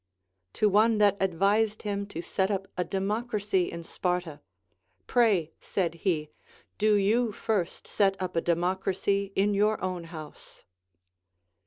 To one that ad vised him to set up a democracy in Sparta, Pray, said he, do you first set up a democracy in your own house.